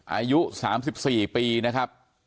อายุ๓๔ปีนะครับ